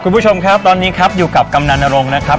คุณผู้ชมครับตอนนี้ครับอยู่กับกำนันนรงค์นะครับ